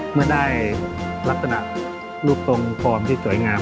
เมื่อได้ลักษณะรูปทรงฟอร์มที่สวยงาม